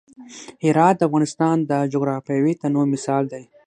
هرات د افغانستان د جغرافیوي تنوع مثال دی.